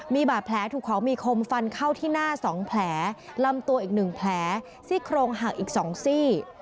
มีบาดแผลถูกของมีคมฟันเข้าที่หน้า๒แผลลำตัวอีก๑แผลซี่โครงหักอีก๒ซี่